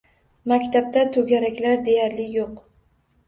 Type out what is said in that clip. Maktabda to‘garaklar deyarli yo‘q.